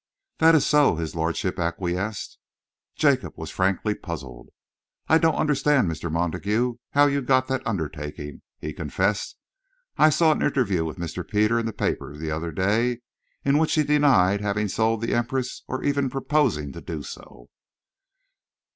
"That is so," his lordship acquiesced. Jacob was frankly puzzled. "I don't understand, Mr. Montague, how you got that undertaking," he confessed. "I saw an interview with Mr. Peter in the papers the other day, in which he denied having sold the 'Empress' or even proposing to do so."